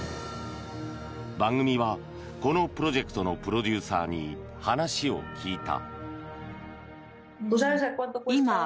番組は、このプロジェクトのプロデューサーに話を聞いた。